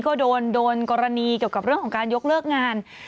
ก็โดนกรณีเกี่ยวกับเรื่องของการยกเลิกงาน